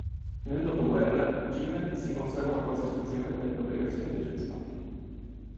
Nel dopoguerra, Gimel si consacrò quasi esclusivamente alla fabbricazione dei suoi smalti.